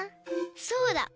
そうだ！